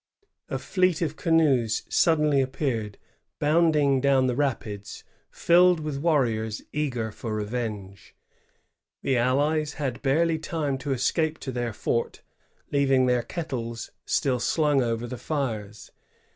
A fleet of canoes suddenly appeared, bounding down the rapids, filled with warriors eager for revenge. The allies had barely time to escape to their fort, leaving their kettles still slung over the fires.